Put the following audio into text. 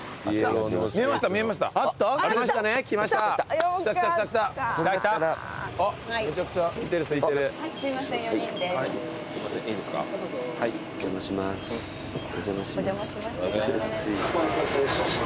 お待たせいたしました。